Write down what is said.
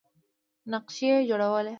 نقشې یې جوړولې.